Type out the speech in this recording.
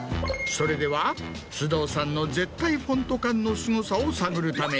それでは須藤さんの絶対フォント感のすごさを探るため。